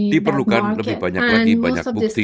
diperlukan lebih banyak lagi banyak bukti